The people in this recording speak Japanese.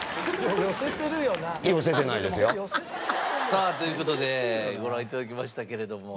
さあという事でご覧頂きましたけれども。